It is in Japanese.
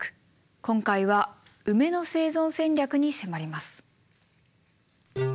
今回はウメの生存戦略に迫ります。